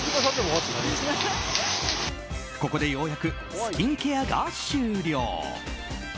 ここでようやくスキンケアが終了。